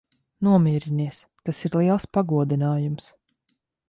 Nomierinies. Tas ir liels pagodinājums.